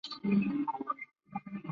厚壁菌门表现为球状或者杆状。